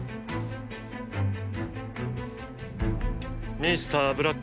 ミスターブラック。